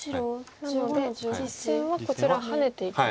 なので実戦はこちらハネていきました。